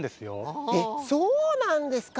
そうなんですか！